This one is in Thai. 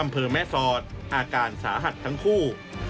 อำเภอแม่สอดอาการสาหัสทั้งคู่